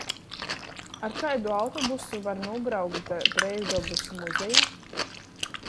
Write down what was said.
Ar kaidu autobusu var nūbraukt da Breivdobys muzeja?